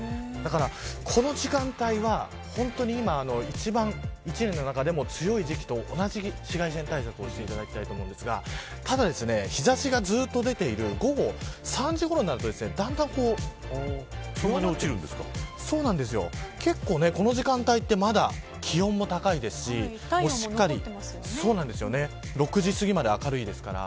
この時間帯は本当に今一年の中でも強い時期と同じ紫外線対策をしていただきたいですがただ日差しがずっと出ている午後３時ごろになると、だんだんこの時間帯はまだ気温が高いですし６時すぎまで明るいですから。